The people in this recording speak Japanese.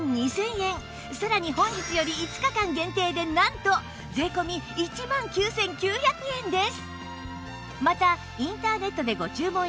さらに本日より５日間限定でなんと税込１万９９００円です